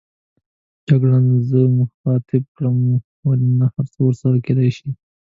جګړن زه مخاطب کړم: ولې نه، هرڅه ورسره کېدای شي.